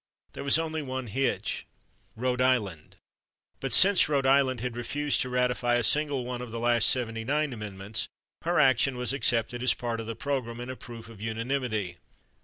There was only one hitch, Rhode Island, but since Rhode Island had refused to ratify a single one of the last Seventy nine Amendments, her action was accepted as part of the program and a proof of unanimity.